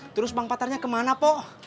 terus bang patarnya kemana po